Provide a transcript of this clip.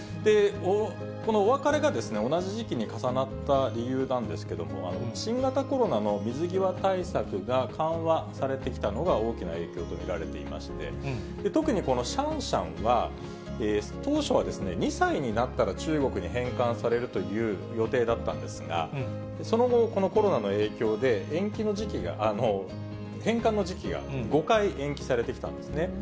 このお別れが同じ時期に重なった理由なんですけども、新型コロナの水際対策が緩和されてきたのが大きな影響と見られていまして、特にこのシャンシャンは、当初はですね、２歳になったら中国に返還されるという予定だったんですが、その後、このコロナの影響で、返還の時期が５回、延期されてきたんですね。